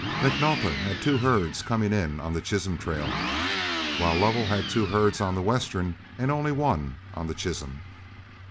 McNulta had two herds coming in on the Chisholm trail, while Lovell had two herds on the Western and only one on the Chisholm.